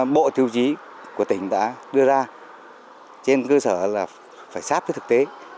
bộ tiêu chí của tỉnh đã đưa ra trên cơ sở là phải sát với thực tế